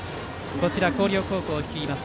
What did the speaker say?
広陵高校を率います